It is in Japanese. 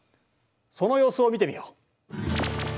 その様子を見てみよう。